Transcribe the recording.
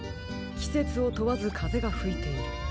きせつをとわずかぜがふいている。